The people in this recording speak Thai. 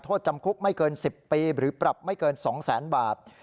โทษจำคุกไม่เกิน๑๐ปีหรือปรับไม่เกิน๒๐๐๐๐บาท